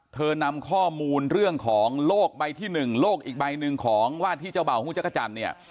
นำข้อมูลเรื่องของโลกใบที่๑โลกอีกใบหนึ่งของว่าที่เจ้าบ่าวหุ้จักรจันทร์เนี่ย